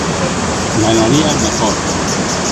Ganaría el mejor.